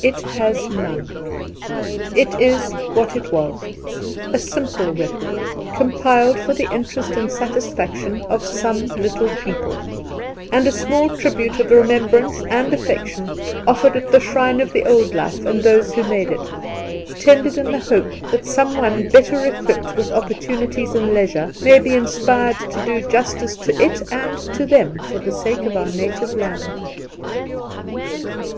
It has none! It is what it was: a simple record, compiled for the interest and satisfaction of some Little People, and a small tribute of remembrance and affection offered at the shrine of the old life and those who made it tendered in the hope that some one better equipped with opportunities and leisure may be inspired to do justice to it and to them for the sake of our native land.